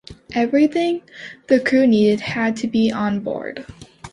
Everything the crew needed had to be on board.